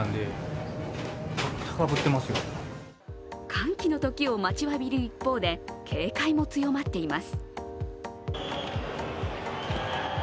歓喜の時を待ちわびる一方で警戒も強まっています。